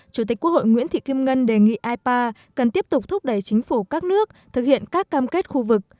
chủ tịch quốc hội nguyễn thị kim ngân đề nghị ipa cần tiếp tục thúc đẩy chính phủ các nước thực hiện các cam kết khu vực